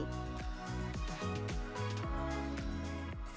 kampung budaya betawi membutuhkan waktu kurang lebih tiga puluh menit dengan mancanegara